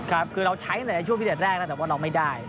ครับคือเราใช้ในช่วงพิเศษแรกแล้วแต่ว่าเราไม่ได้